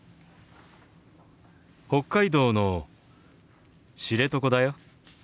北海道の知床だよ。